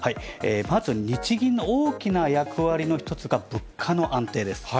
まず日銀の大きな役割の一つが、物価の安定です。